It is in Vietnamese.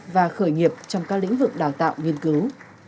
và khởi nghiệp trong các lĩnh vực đào tạo nghiên cứu